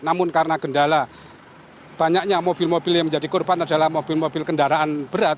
namun karena gendala banyaknya mobil mobil yang menjadi korban adalah mobil mobil kendaraan berat